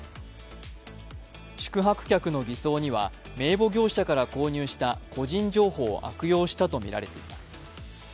宿泊客の偽装には名簿業者から購入した個人情報を悪用したとみられています。